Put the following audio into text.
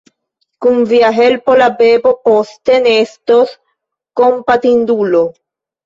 Kun via helpo la bebo poste ne estos kompatindulo.